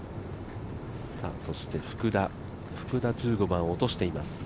そして福田１５番落としています。